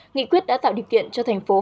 nghị quyết đã tạo điều kiện cho tp hcm